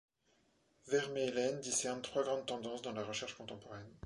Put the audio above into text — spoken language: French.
Vermeylen discerne trois grandes tendances dans la recherche contemporaine.